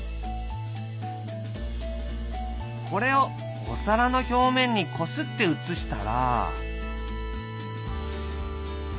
これをお皿の表面にこすって写したら。